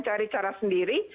pada kita sendiri